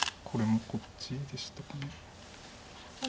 これもこっちでしたかね。